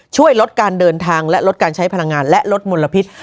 ช่วยลดการเดินทางและลดการใช้พลังงานและลดมลพิษ